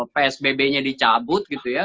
psbb nya dicabut gitu ya